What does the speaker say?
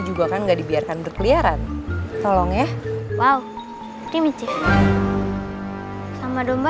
juga kan nggak dibiarkan berkeliaran tolong ya wow ini chee sama domba